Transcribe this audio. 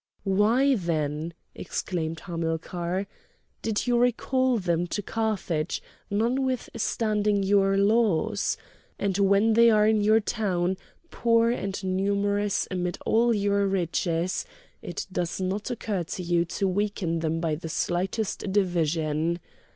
"Why, then," exclaimed Hamilcar, "did you recall them to Carthage, notwithstanding your laws? And when they are in your town, poor and numerous amid all your riches, it does not occur to you to weaken them by the slightest division!